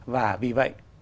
và vì vậy